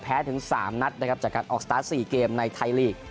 ถึง๓นัดนะครับจากการออกสตาร์ท๔เกมในไทยลีก